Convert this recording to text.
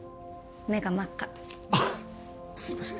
目が真っ赤あっすいません